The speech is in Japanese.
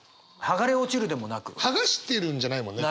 剥がしてるんじゃないもんね。